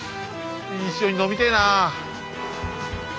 一緒に飲みてえなあ。